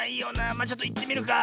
まあちょっといってみるか。